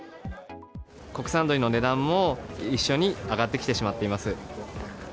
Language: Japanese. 国産鶏の値段も一緒に上がってきてしまっています。